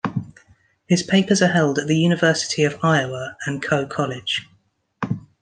His papers are held at the University of Iowa and Coe College.